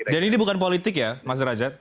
jadi ini bukan politik ya mas reinhardt